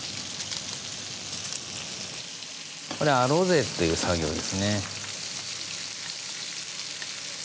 これアロゼっていう作業ですね。